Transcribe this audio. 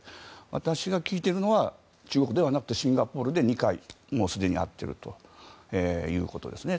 私が聞いているのは中国ではなくてシンガポールで２回、すでに会っているということですね。